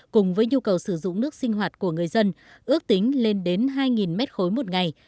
cùng với nhu cầu sử dụng nước sinh hoạt của người dân ước tính lên đến hai mét khối một ngày